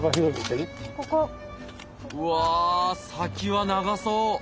わ先は長そう。